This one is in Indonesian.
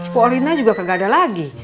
poh orinda juga kagak ada lagi